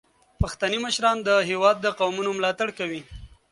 پښتني مشران د هیواد د قومونو ملاتړ کوي.